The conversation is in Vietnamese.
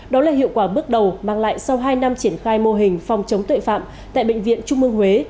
đó là hiệu quả bước đầu mang lại sau hai năm triển khai mô hình phòng chống tội phạm tại bệnh viện trung mương huế